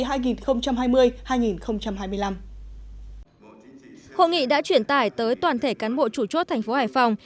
hội nghị đã chuyển tải tới toàn thể cán bộ chủ chốt thành phố hải phòng